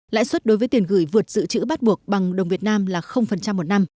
lãi suất đối với tiền gửi vượt dự trữ bắt buộc bằng đồng việt nam là một năm